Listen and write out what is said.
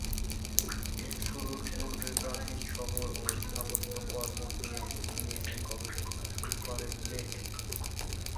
এর শুরুর পূর্বে প্রাচীন শহর ও স্থাপত্য কর্ম নিয়ে নিয়ে গবেষণা শুরু করেন লেক।